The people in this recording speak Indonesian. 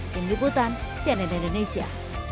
tim liputan cnn indonesia